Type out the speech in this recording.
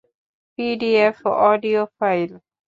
PDF, audio file.